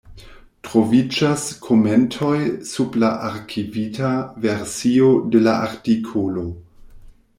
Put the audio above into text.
Troviĝas komentoj sub la arkivita versio de la artikolo.